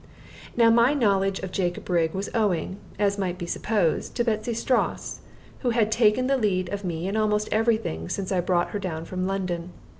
Now my knowledge of Jacob Rigg was owing, as might be supposed, to Betsy Strouss, who had taken the lead of me in almost every thing ever since I brought her down from London.